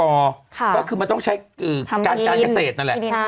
ก็คือมันต้องใช้การการเกษตรนั่นแหละ